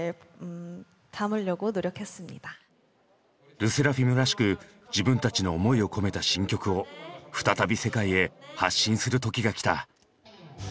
ＬＥＳＳＥＲＡＦＩＭらしく自分たちの思いを込めた新曲を再び世界へ発信する時が来た。